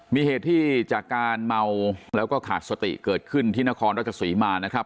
มีเหตุที่จากการเมาแล้วก็ขาดสติเกิดขึ้นที่นครราชสีมานะครับ